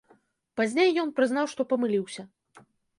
Пазней ён прызнаў, што памыліўся.